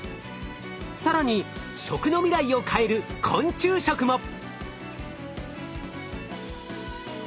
更に食の未来を変える昆虫食も！